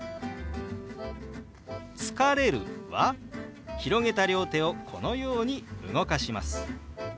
「疲れる」は広げた両手をこのように動かします。